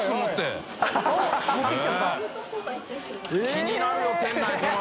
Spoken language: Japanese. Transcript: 気になるよ店内これ。